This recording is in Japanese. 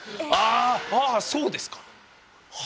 ああそうですか。